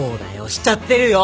しちゃってるよ！